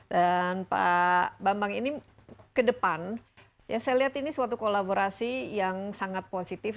dan pak bambang ini ke depan saya lihat ini suatu kolaborasi yang sangat positif